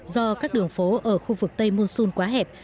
do các đường phố ở khu vực tây munsun quá hẹp